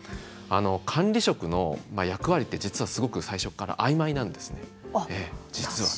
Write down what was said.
管理職の役割って実はすごく、最初からあいまいなんですね。